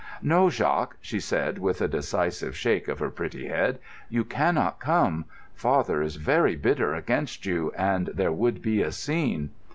"No, Jacques," she said, with a decisive shake of her pretty head, "you cannot come. Father is very bitter against you, and there would be a scene."